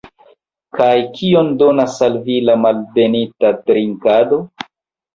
Kaj kion donas al vi la malbenita drinkado?